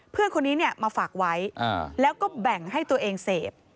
เพื่อนคนนี้มาฝากไว้แล้วก็แบ่งให้ตัวเองเสพ